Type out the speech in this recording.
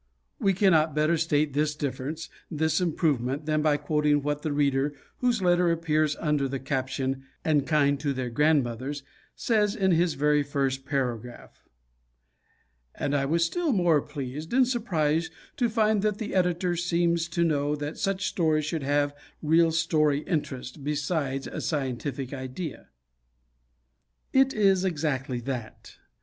We cannot better state this difference, this improvement, than by quoting what the Reader whose letter appears under the caption, "And Kind to Their Grandmothers," says in his very first paragraph: "And I was still more pleased, and surprised, to find that the Editor seems to know that such stories should have real story interest, besides a scientific idea." It is exactly that.